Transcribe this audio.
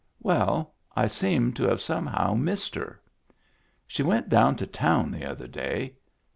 " Well, I seem to have somehow missed her." " She went down to town the other day.